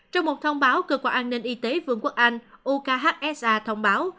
trong một thông báo cơ quan an ninh y tế vương quốc anh uksa thông báo